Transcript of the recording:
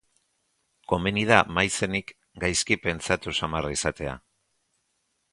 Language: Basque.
Komeni da maizenik gaizki pentsatu samarra izatea.